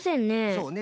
そうね